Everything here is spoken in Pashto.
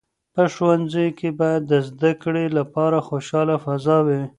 په ښوونځیو کې باید د زده کړې لپاره خوشاله فضا وي.